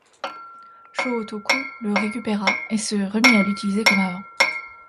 Shōtoku le récupéra et se remit à l'utiliser comme avant.